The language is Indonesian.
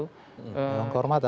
pada yang kehormatan